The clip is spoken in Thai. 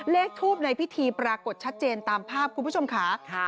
เลขทูปในพิธีปรากฏชัดเจนตามภาพคุณผู้ชมค่ะ